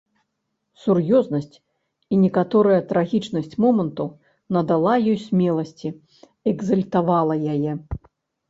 Сур'ёзнасць і некаторая трагічнасць моманту надала ёй смеласці, экзальтавала яе.